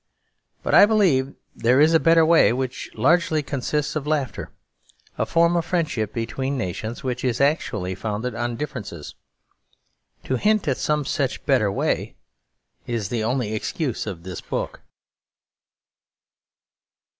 But I believe that there is a better way which largely consists of laughter; a form of friendship between nations which is actually founded on differences. To hint at some such better way is the only excuse of this book.